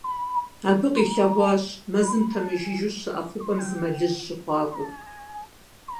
Абы къилъэгъуащ, мэзым пэмыжыжьэу щыӀэ хъупӀэм зы мэлыжь щыхъуакӀуэу.